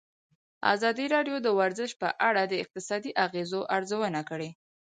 ازادي راډیو د ورزش په اړه د اقتصادي اغېزو ارزونه کړې.